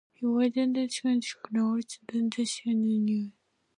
He was interred at Calkins Cemetery in Elizabethtown, New York.